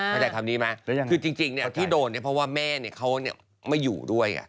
เข้าใจคำนี้ไหมคือจริงที่โดนเนี่ยเพราะว่าแม่เขาไม่อยู่ด้วย